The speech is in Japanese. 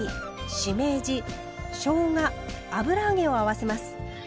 しめじしょうが油揚げを合わせます。